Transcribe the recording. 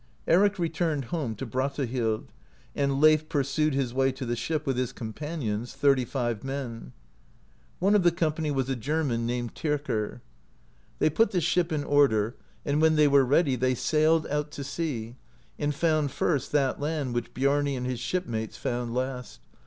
Eric returned home to Brattahlid, and Leif pursued his way to the ship with his companions, thirty five men ; one of the company was a German named 80 LEW ERICSSON FOUNDS A SETTLEMENT IN AMERICA Tyrker. They put the ship in order, and when they were ready, they sailed out to sea, and found first that land which Biarni and his ship mates found last.